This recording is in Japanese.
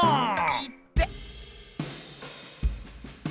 いって！